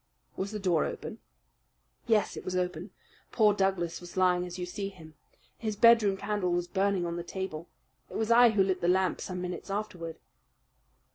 "Was the door open?" "Yes, it was open. Poor Douglas was lying as you see him. His bedroom candle was burning on the table. It was I who lit the lamp some minutes afterward."